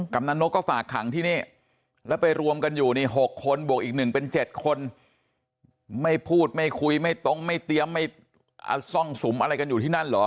กำลังนกก็ฝากขังที่นี่แล้วไปรวมกันอยู่นี่๖คนบวกอีก๑เป็น๗คนไม่พูดไม่คุยไม่ตรงไม่เตรียมไม่ซ่องสุมอะไรกันอยู่ที่นั่นเหรอ